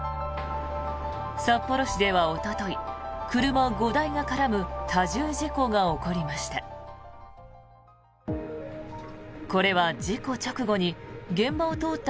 札幌市ではおととい車５台が絡む多重事故が起こりました。